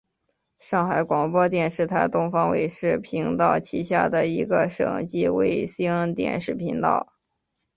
上海广播电视台东方卫视频道旗下的一个省级卫星电视频道。